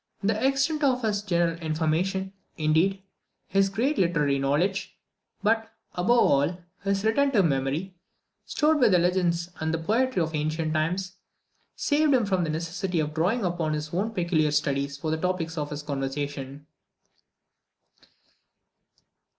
The extent of his general information, indeed, his great literary knowledge, but, above all, his retentive memory, stored with the legends and the poetry of ancient times, saved him from the necessity of drawing upon his own peculiar studies for the topics of his conversation.